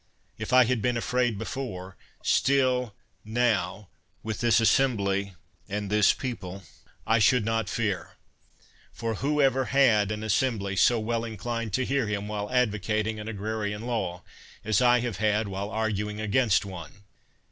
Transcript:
If I had been afraid before, still now, with this assembly, and this people, I should not fear. For who ever had an assembly so well inclined to hear him while advo cating an agrarian law, as I have had while argu ing against one?